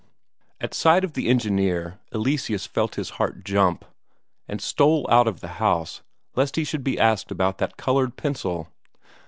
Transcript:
At sight of the engineer, Eleseus felt his heart jump, and stole out of the house lest he should be asked about that coloured pencil.